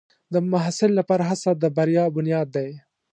د محصل لپاره هڅه د بریا بنیاد دی.